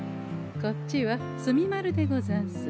こっちは墨丸でござんす。